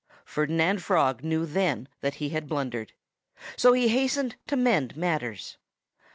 Ferdinand Frog knew then that he had blundered. So he hastened to mend matters.